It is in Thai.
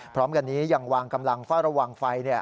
พร้อมกันนี้ยังวางกำลังเฝ้าระวังไฟ